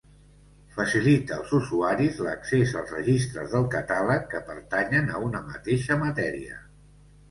Facilita als usuaris l'accés als registres del catàleg que pertanyen a una mateixa matèria.